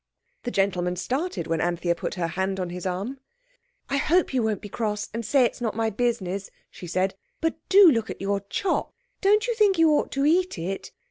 The gentleman started when Anthea put her hand on his arm. "I hope you won't be cross and say it's not my business," she said, "but do look at your chop! Don't you think you ought to eat it?